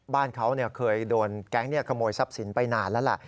บ้านเขาเคยโดนแก๊งขโมยทรัพย์สินไปนานแล้วล่ะ